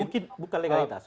mungkin bukan legalitas